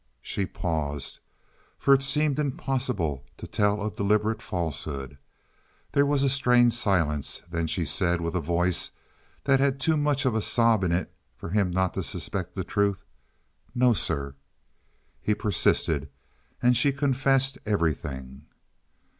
She paused, for it seemed impossible to tell a deliberate falsehood. There was a strained silence; then she said, with a voice that had too much of a sob in it for him not to suspect the truth, "No, sir." He persisted, and she confessed everything.